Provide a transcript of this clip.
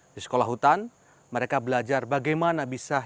di sekolah hutan mereka belajar bagaimana bisa hidup di sekolah hutan